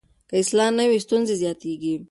که اصلاح نه وي، ستونزې زیاتېږي.